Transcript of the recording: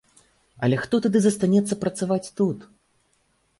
Але хто тады застанецца працаваць тут?